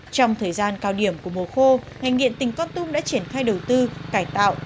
trong thời gian cao điểm của mùa khô ngành điện tỉnh con tum đã triển khai đầu tư cải tạo